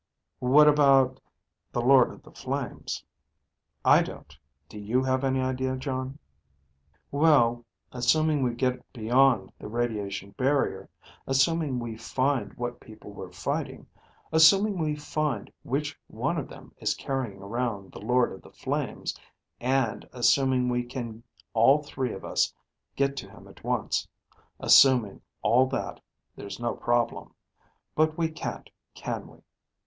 "What about ... the Lord of the Flames?" "I don't do you have any idea, Jon?" "Well, assuming we get beyond the radiation barrier, assuming we find what people we're fighting, assuming we find which one of them is carrying around the Lord of the Flames, and assuming we can all three of us get to him at once assuming all that, there's no problem. But we can't, can we?